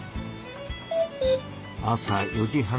朝４時半。